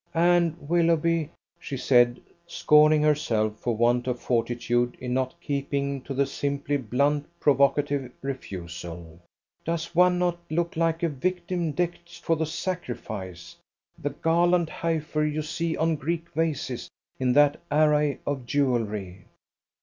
And, Willoughby," she said, scorning herself for want of fortitude in not keeping to the simply blunt provocative refusal, "does one not look like a victim decked for the sacrifice? the garlanded heifer you see on Greek vases, in that array of jewellery?"